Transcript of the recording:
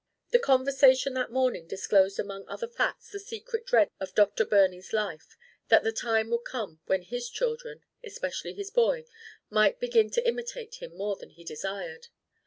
The conversation that morning disclosed among other facts the secret dread of Dr. Birney's life: that the time would come when his children, especially his boy, might begin to imitate him more than he desired.